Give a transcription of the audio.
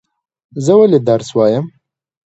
زه ولی درس وایم؟